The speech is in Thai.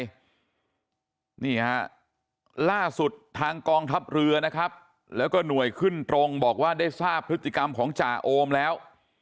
นี่ฮะล่าสุดทางกองทัพเรือนะครับแล้วก็หน่วยขึ้นตรงบอกว่าได้ทราบพฤติกรรมของจ่าโอมแล้ว